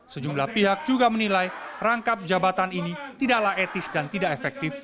sejumlah pihak juga menilai rangkap jabatan ini tidaklah etis dan tidak efektif